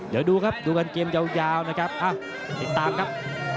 จะดูครับดูกันเกมเยาพยาวนะครับอ้าติดตามครับ